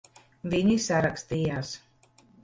Viņi sarakstījās.